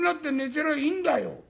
てりゃいいんだよ」。